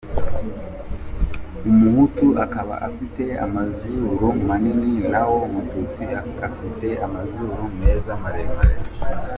Umuhutu akaba afite amazuru manini naho Umututsi afite amazuru meza maremare.